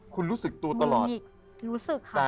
คุณรู้สึกตัวตลอด